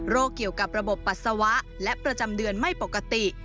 เกี่ยวกับระบบปัสสาวะและประจำเดือนไม่ปกติ